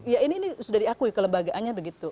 ya ini sudah diakui kelembagaannya begitu